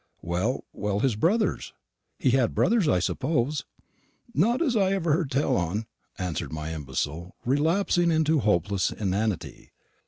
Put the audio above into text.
"Well, well; his brothers. He had brothers, I suppose?" "Not as I ever heard tell on," answered my imbecile, relapsing into hopeless inanity.